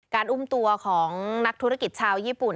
อุ้มตัวของนักธุรกิจชาวญี่ปุ่น